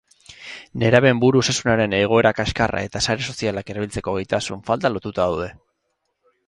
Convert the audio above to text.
Nerabeen buru osasunaren egoera kaskarra eta sare sozialak erabiltzeko gaitasun falta lotuta daude.